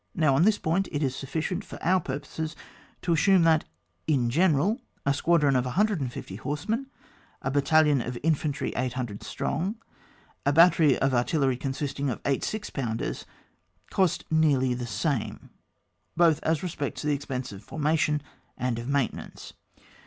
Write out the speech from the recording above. Now on this point it is sufficient for our purpose to assume that, in general, a squadron of 150 horsemen, a battalion of infantry 800 strong, a battery of artillery consist ing of 8 six pounders, cost nearly the same, both as respects the expense of formation and of maintenance.